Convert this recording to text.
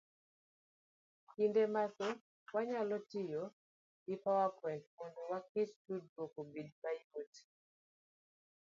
Kinde mathoth wanyalo tiyo gi power point, mondo waket tudruok obed mayot.